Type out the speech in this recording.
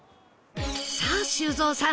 さあ修造さん